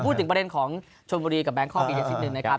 ผมพูดถึงประเด็นของชวนบรีกับแบงค์ข้อมี๑๑นะครับ